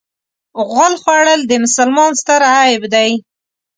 غول خوړل د مسلمان ستر عیب دی.